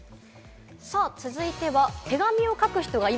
続いては、手紙を書く人が今、